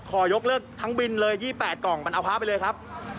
ขอยกเลิกทั้งบินเลย๒๘กล่องมันเอาพระไปเลยครับ